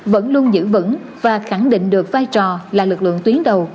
vẫn luôn giữ vững và khẳng định được vai trò là lực lượng tuyến đầu